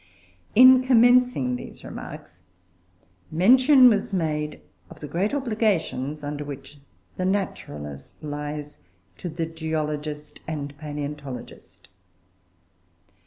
In commencing these remarks, mention was made of the great obligations under which the naturalist lies to the geologist and palaeontologist.